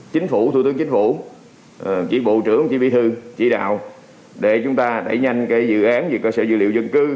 chính phủ thủ tướng chính phủ chỉ bộ trưởng chỉ huy thư chỉ đạo để chúng ta đẩy nhanh dự án về cơ sở dữ liệu dân cư